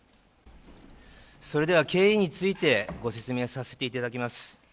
それでは経緯についてご説明させていただきます。